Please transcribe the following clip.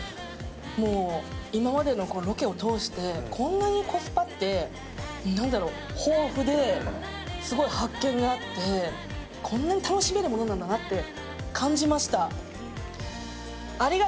もう、今までのロケを通してこんなにコスパって豊富ですごい発見があってこんなに楽しめるものなんだなって感じました。